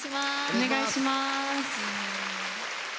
お願いします。